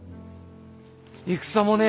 戦もねえ